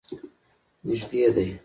نږدې دی.